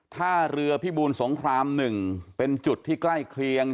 ท่าเรือพิบูลสงคราม๑เป็นจุดที่ใกล้เคียง